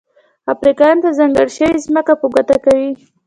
افریقایانو ته ځانګړې شوې ځمکه په ګوته کوي.